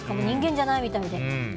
人間じゃないみたいで。